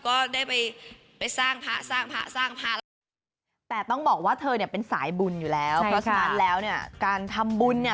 กันให้พร้อมนะ